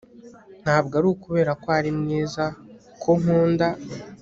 Ntabwo ari ukubera ko ari mwiza ko nkunda